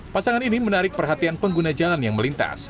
pasangan ini menarik perhatian pengguna jalan yang melintas